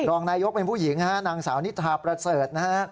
รองนายกเป็นผู้หญิงฮะนางสาวนิทาประเสริฐนะฮะ